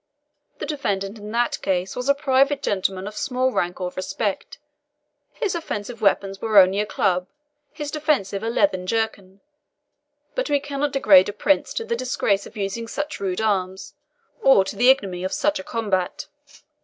The defendant in that case was a private gentleman of small rank or respect; his offensive weapons were only a club, his defensive a leathern jerkin. But we cannot degrade a prince to the disgrace of using such rude arms, or to the ignominy of such a combat."